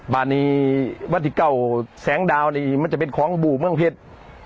นี้วันที่เก้าแสงดาวนี่มันจะเป็นของบู่เมืองเพชร